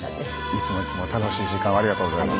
いつもいつも楽しい時間をありがとうございます。